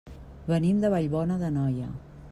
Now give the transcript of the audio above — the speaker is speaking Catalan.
Venim de Vallbona d'Anoia.